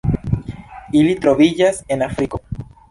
Ili troviĝas en Afriko.